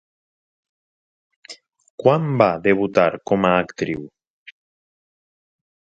Quan va debutar com a actriu?